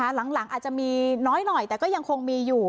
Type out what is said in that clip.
หลังอาจจะมีน้อยหน่อยแต่ก็ยังคงมีอยู่